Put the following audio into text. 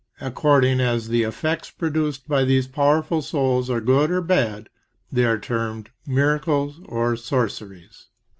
According as the effects produced by these powerful souls are good or bad they are termed miracles or sorceries.